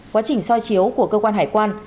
quá trình soi chiếu của cơ quan hải quan